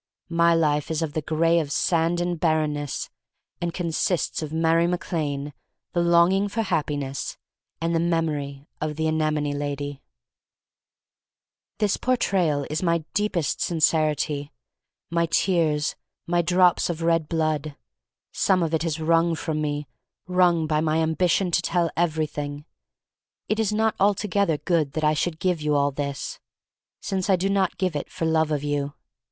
My life is of the gray of sand and barrenness, and consists of Mary Mac Lane, the longing for Happi ness, and the memory of the anemone lady. 1 66 THE STORY OF MARY MAC LANE This Portrayal is my deepest sin cerity, my tears, my drops of red blood. Some of it is wrung from me — wrung by my ambition to tell everything. It is not altogether good that I should give you all this, since I do not give it for love pf you.